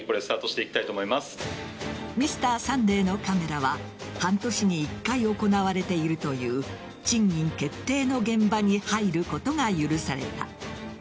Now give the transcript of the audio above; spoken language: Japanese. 「Ｍｒ．サンデー」のカメラは半年に１回行われているという賃金決定の現場に入ることが許された。